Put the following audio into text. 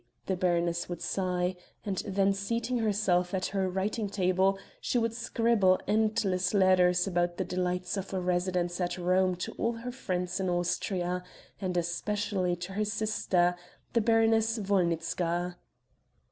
the baroness would sigh; and then seating herself at her writing table she would scribble endless letters about the delights of a residence at Rome to all her friends in Austria, and especially to her sister, the Baroness Wolnitzka.